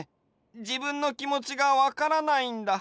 じぶんのきもちがわからないんだ。